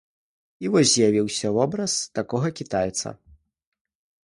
І вось з'явіўся вобраз такога кітайца.